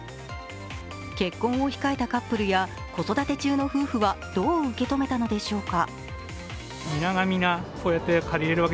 結婚を控えたカップルや子育て中の夫婦はどう受け止めたのでしょうか。